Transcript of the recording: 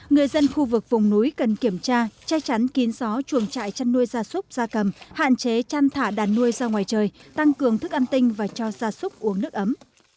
người dân khu vực vùng núi cần kiểm tra che chắn kín gió chuồng trại chăn nuôi gia súc gia cầm hạn chế chăn thả đàn nuôi ra ngoài trời tăng cường thức ăn tinh và cho gia súc uống nước ấm